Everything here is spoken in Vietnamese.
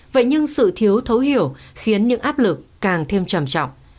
vậy nhưng sự thiếu thấu hiểu khiến những áp lực càng thêm trầm trọng